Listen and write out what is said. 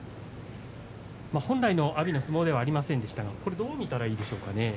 本来の阿炎の相撲ではありませんでしたがこれはどう見たらいいでしょう。